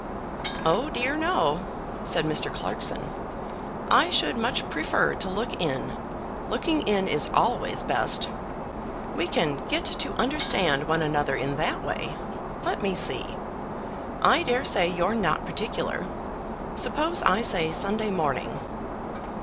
"Oh dear, no," said Mr. Clarkson. "I should much prefer to look in. Looking in is always best. We can get to understand one another in that way. Let me see. I daresay you're not particular. Suppose I say Sunday morning."